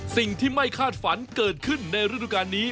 สิ่งที่ไม่คาดฝันเกิดขึ้นในฤดูการนี้